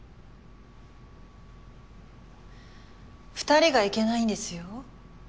２人がいけないんですよ。